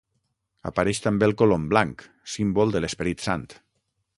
Apareix també el colom blanc, símbol de l'Esperit Sant.